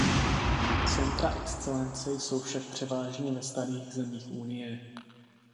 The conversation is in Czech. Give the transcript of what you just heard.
Centra excelence jsou však převážně ve starých zemích Unie.